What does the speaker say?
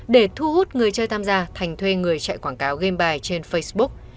để thu hút người chơi tham gia thành thuê người chạy quảng cáo game bài trên facebook